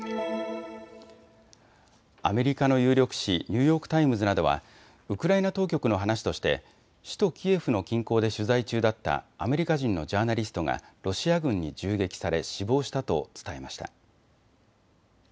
アメリカの有力紙、ニューヨーク・タイムズなどはウクライナ当局の話として首都キエフの近郊で取材中だったアメリカ人のジャーナリストがロシア軍に銃撃され死亡したと伝えました。